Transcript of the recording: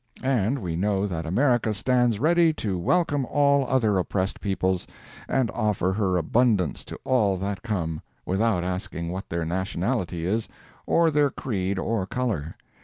And we know that America stands ready to welcome all other oppressed peoples and offer her abundance to all that come, without asking what their nationality is, or their creed or color.